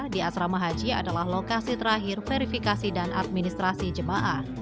di asrama haji adalah lokasi terakhir verifikasi dan administrasi jemaah